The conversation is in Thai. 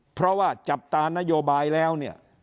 เพราะว่าจับตานโยบายแล้วเนี่ย